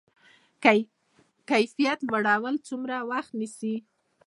د کیفیت لوړول څومره وخت نیسي؟